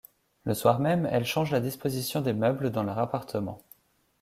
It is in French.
Le soir même, elle change la disposition des meubles dans leur appartement.